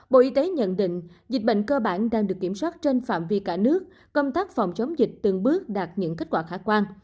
bộ y tế nhận định dịch bệnh cơ bản đang được kiểm soát trên phạm vi cả nước công tác phòng chống dịch từng bước đạt những kết quả khả quan